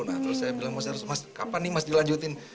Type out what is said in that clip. nah terus saya bilang mas kapan nih mas dilanjutin